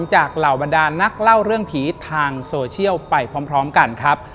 เหล่าบรรดานักเล่าเรื่องผีทางโซเชียลไปพร้อมกันครับ